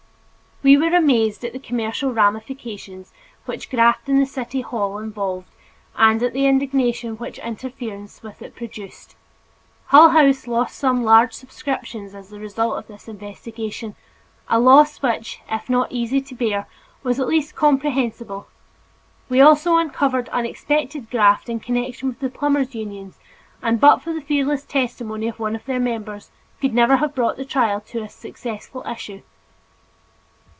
We were amazed at the commercial ramifications which graft in the city hall involved and at the indignation which interference with it produced. Hull House lost some large subscriptions as the result of this investigation, a loss which, if not easy to bear, was at least comprehensible. We also uncovered unexpected graft in connection with the plumbers' unions, and but for the fearless testimony of one of their members, could never have brought the trial to a successful issue.